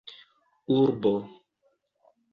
urbo